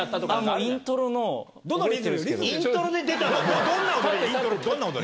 イントロで出たの？